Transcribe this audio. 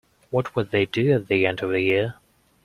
What would they do at the end of a year?